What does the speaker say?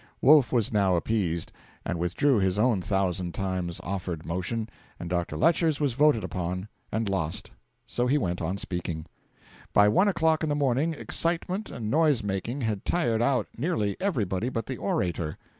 Wolf was now appeased, and withdrew his own thousand times offered motion, and Dr. Lecher's was voted upon and lost. So he went on speaking. By one o'clock in the morning, excitement and noise making had tired out nearly everybody but the orator.